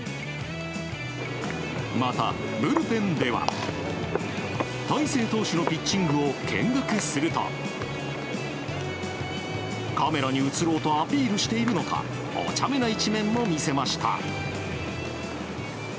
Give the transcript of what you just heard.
また、ブルペンでは大勢投手のピッチングを見学すると、カメラに映ろうとアピールしているのかお茶目な一面も見せました。